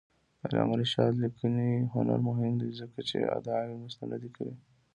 د علامه رشاد لیکنی هنر مهم دی ځکه چې ادعاوې مستندې کوي.